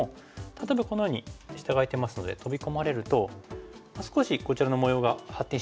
例えばこのように下が空いてますのでトビ込まれると少しこちらの模様が発展しにくいですよね。